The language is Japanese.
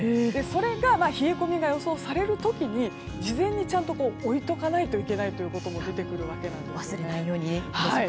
それが冷え込みが予想される時に事前に置いておかないといけないことも出てくるんです。